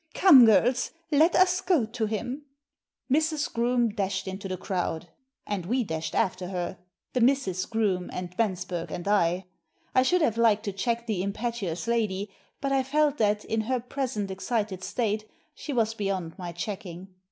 Come, girls, let us go to him." Mrs. Groome dashed into the crowd, and we dashed after her, the Misses Groome and Bensberg and L I should have liked to check the impetuous lady, but I felt that, in her present excited state, she was beyond my checking.